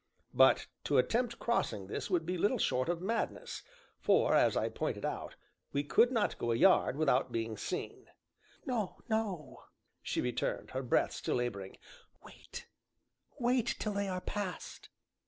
But to attempt crossing this would be little short of madness, for (as I pointed out) we could not go a yard without being seen. "No, no," she returned, her breath still laboring, "wait wait till they are past."